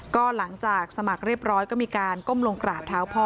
ก็หลังจากสมัครเรียบร้อยก็มีการก้มลงกราบเท้าพ่อ